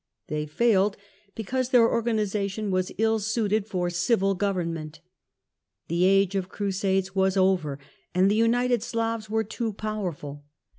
They failed, because their organisation was ill suited for civil government. The age of crusades was over, and the united Slavs were too powerful.